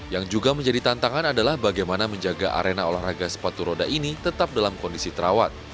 yang juga menjadi tantangan adalah bagaimana menjaga arena olahraga sepatu roda ini tetap dalam kondisi terawat